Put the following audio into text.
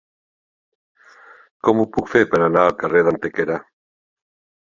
Com ho puc fer per anar al carrer d'Antequera?